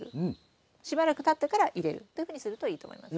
しばらくたってから入れるというふうにするといいと思います。